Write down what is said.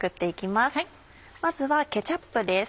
まずはケチャップです。